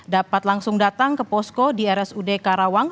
dapat langsung datang ke posko di rsud karawang